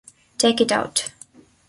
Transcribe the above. Take it out!